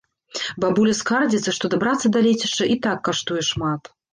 Бабуля скардзіцца, што дабрацца да лецішча і так каштуе шмат.